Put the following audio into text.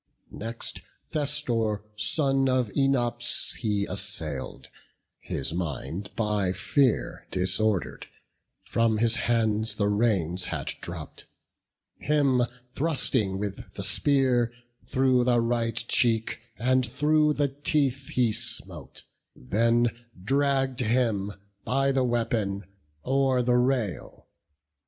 Next Thestor, son of Œnops, he assail'd; He on his polish'd car, down crouching, sat, His mind by fear disorder'd; from his hands The reins had dropp'd; him, thrusting with the spear, Through the right cheek and through the teeth he smote, Then dragg'd him, by the weapon, o'er the rail.